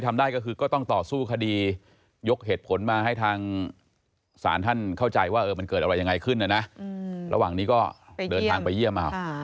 มันเกิดอะไรยังไงขึ้นเนอะนะอืมระหว่างนี้ก็เดินทางไปเยี่ยมค่ะ